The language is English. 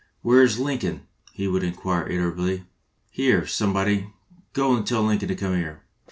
"Where 's Lincoln?" he would inquire irritably. "Here, somebody, go and tell Lincoln to come here."